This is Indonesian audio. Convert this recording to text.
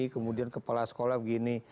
kemudian kepala sekolah begini